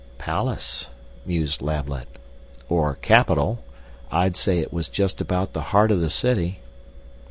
"Palace," mused Lablet, "or capitol. I'd say it was just about the heart of the city."